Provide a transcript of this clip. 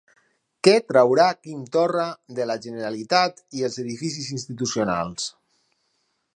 Què traurà Quim Torra de la Generalitat i els edificis institucionals?